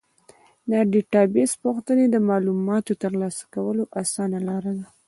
د ډیټابیس پوښتنې د معلوماتو ترلاسه کولو اسانه لاره ده.